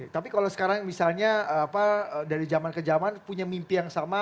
tapi kalau sekarang misalnya dari zaman ke zaman punya mimpi yang sama